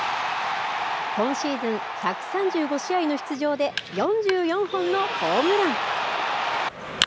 今シーズン、１３５試合の出場で４４本のホームラン。